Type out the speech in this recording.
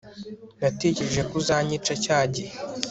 Natekereje ko uzanyica cyagihe